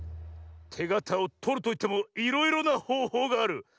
てがたをとるといってもいろいろなほうほうがある。